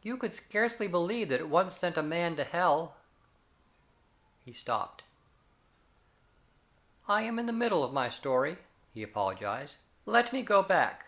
You would scarcely believe that it once sent a man to hell." He stopped. "I am beginning in the middle of my story," he apologized. "Let me go back.